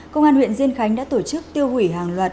công an huyện diên khánh đã tổ chức tiêu hủy hàng loạt